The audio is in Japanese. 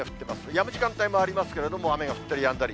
やむ時間帯もありますけれども、雨が降ったりやんだり。